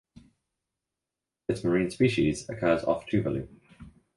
This marine species occurs off Tuvalu.